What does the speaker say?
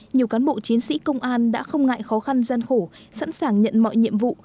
nhiều cán bộ chiến sĩ công an đã không ngại khó khăn gian khổ sẵn sàng nhận mọi nhiệm vụ